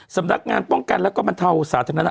ผมขออาศัยความว่าฐนุนนะฮะ